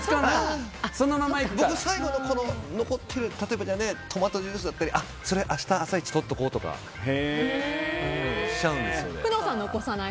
僕、最後の残ってる例えば、トマトジュースだったりそれ明日朝イチとっておこうとかしちゃうんです。